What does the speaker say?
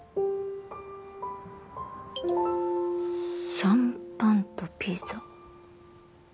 「シャンパンとピザ」。